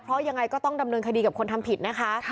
เพราะยังไงก็ต้องดำเนินคดีกับคนทำผิดนะคะ